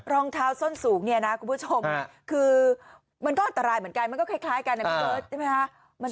รองเท้าส้นสูงเนี่ยนะคุณผู้ชมคือมันก็อันตรายเหมือนกันมันก็คล้ายกันนะพี่เบิร์ตใช่ไหมคะ